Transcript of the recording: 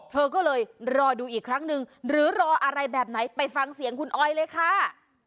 เธอก็เลยรอดูอีกครั้งหนึ่งหรือรออะไรแบบไหนไปฟังเสียงคุณออยเลยค่ะ